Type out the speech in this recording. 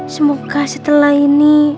semoga setelah ini